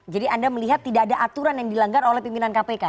jadi anda melihat tidak ada aturan yang dilanggar oleh pimpinan kpk